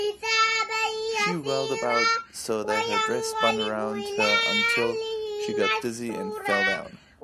She whirled about so that her dress spun around her until she got dizzy and fell down.